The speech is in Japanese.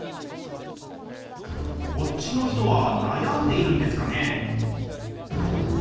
こっちの人はなやんでいるんですかね。